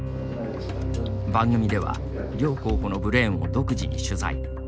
番組では、両候補のブレーンを独自に取材。